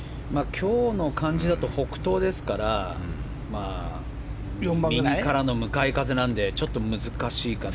今日の感じだと北東ですから右からの向かい風なのでちょっと難しいかな。